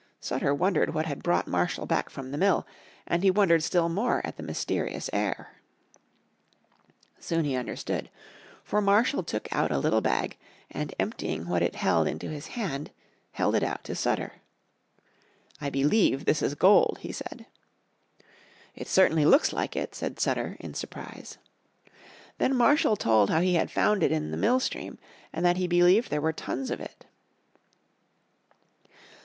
Sutter wondered what had brought Marshall back from the mill, and he wondered still more at the mysterious air. Soon he understood. For Marshall took out a little bag, and emptying what it held into his hand, held it out to Sutter. "I believe this is gold," he said. "It certainly looks like it," said Sutter in surprise. Then Marshall told how he had found it in the mill stream, and that he believed there were tons of it.